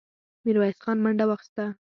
ميرويس خان منډه واخيسته.